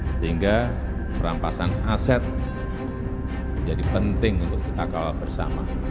sehingga perampasan aset menjadi penting untuk kita kawal bersama